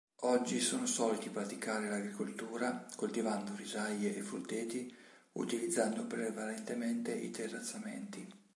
Oggi sono soliti praticare l'agricoltura, coltivano risaie e frutteti, utilizzando prevalentemente i terrazzamenti.